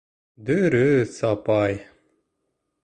— Дөрөҫ, апай...